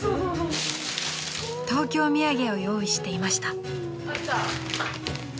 ［東京土産を用意していました］